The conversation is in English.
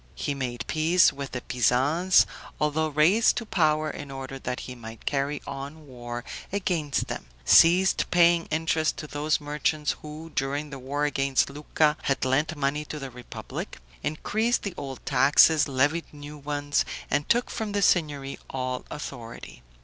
He made peace with the Pisans, although raised to power in order that he might carry on war against them; ceased paying interest to those merchants who, during the war against Lucca, had lent money to the republic; increased the old taxes, levied new ones, and took from the Signory all authority.